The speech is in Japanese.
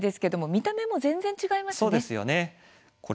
見た目も全然、違いますね。